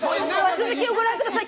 続きをご覧ください。